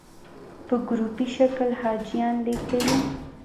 په ګروپي شکل حاجیان لېږدوي.